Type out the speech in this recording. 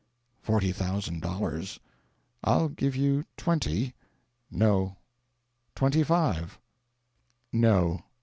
"Forty thousand dollars." "I'll give you twenty." "No." "Twenty five." "No."